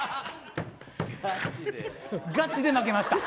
ガチで負けました。